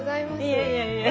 いやいやいや。